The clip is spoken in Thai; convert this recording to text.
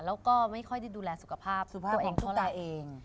แล้วก็ไม่ค่อยได้ดูแลสุขภาพตัวเองเพราะละ